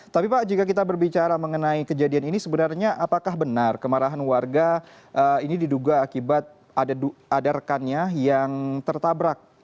tapi pak jika kita berbicara mengenai kejadian ini sebenarnya apakah benar kemarahan warga ini diduga akibat ada rekannya yang tertabrak